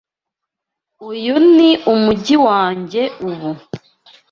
Uyu ni umujyi wanjye ubu.